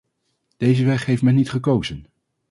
Deze weg heeft men niet gekozen.